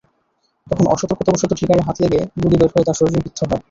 তখন অসতর্কতাবশত ট্রিগারে হাত লেগে গুলি বের হয়ে তাঁর শরীরে বিদ্ধ হয়।